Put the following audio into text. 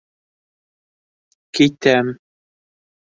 Китәм...